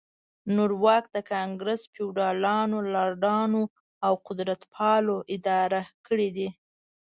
نور واک د ګانګرس فیوډالانو، لارډانو او قدرتپالو اداره کړی دی.